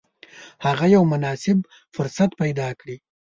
هغه یو مناسب فرصت پیدا کړي.